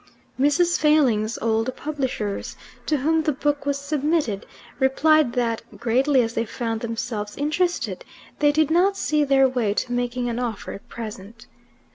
Mrs. Failing's old publishers, to whom the book was submitted, replied that, greatly as they found themselves interested, they did not see their way to making an offer at present.